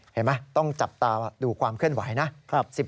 เห็นไหมต้องจับตาดูความเคลื่อนไหวนะ